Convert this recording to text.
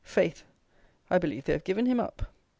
Faith, I believe they have given him up.